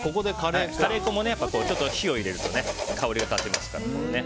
カレー粉も火を入れると香りが立ちますからね。